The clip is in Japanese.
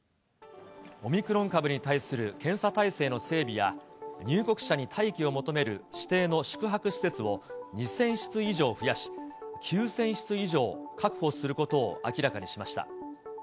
オミクロン株に対する検査体制の整備や、入国者に待機を求める指定の宿泊施設を２０００室以上増やし、９０００室以上確保することを明らかにしました。